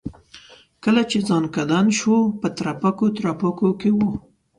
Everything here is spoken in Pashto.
کله چې ځنکدن شو په ترپکو ترپکو کې و.